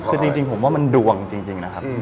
คือจริงผมว่ามันดวงจริงนะครับ